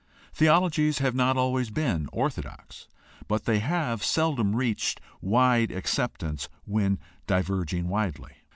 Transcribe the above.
Theologies have not always been orthodox, but they have seldom reached wide acceptance when diverging widely.